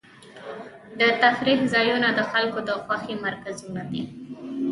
د تفریح ځایونه د خلکو د خوښۍ مرکزونه دي.